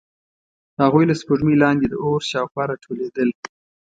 هغوی له سپوږمۍ لاندې د اور شاوخوا راټولېدل.